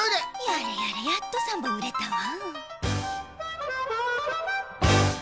やれやれやっと３ぼんうれたわ。